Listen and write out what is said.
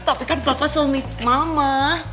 tapi kan bapak suami mama